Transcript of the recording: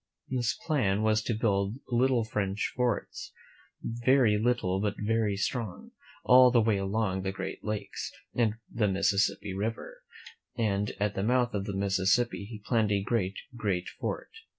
This plan was to build little French forts, very little but very strong, all the way along the Great Lakes and the Mississippi River; and at the mouth of the Mississippi he planned a great, great fort.